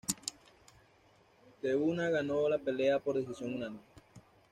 Te-Huna ganó la pelea por decisión unánime.